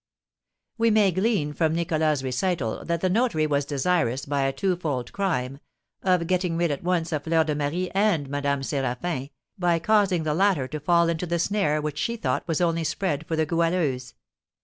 We may glean from Nicholas's recital that the notary was desirous, by a twofold crime, of getting rid at once of Fleur de Marie and Madame Séraphin, by causing the latter to fall into the snare which she thought was only spread for the Goualeuse.